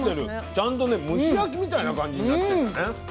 ちゃんとね蒸し焼きみたいな感じになってるんだね。